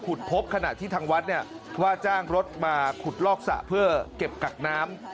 พบขณะที่ทางวัดเนี่ยว่าจ้างรถมาขุดลอกสระเพื่อเก็บกักน้ำ